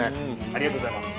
◆ありがとうございます。